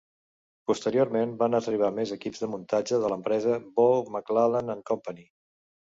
Posteriorment van arribar més equips de muntatge de l'empresa Bow, McLachlan and Company.